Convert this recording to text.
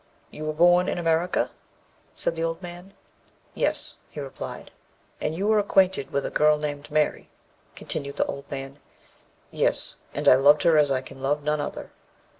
"You were born in America?" said the old man. "Yes," he replied. "And you were acquainted with a girl named Mary?" continued the old man. "Yes, and I loved her as I can love none other."